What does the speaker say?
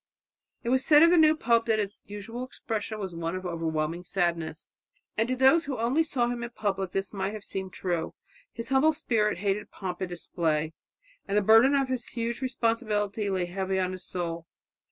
It was said of the new pope that his usual expression was one of overwhelming sadness, and to those who only saw him in public this might have seemed to be true. His humble spirit hated pomp and display, and the burden of his huge responsibility lay heavy on his soul.